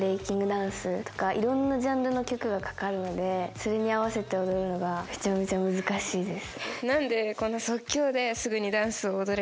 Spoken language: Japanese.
それに合わせて踊るのが、めちゃめちゃ難しいです。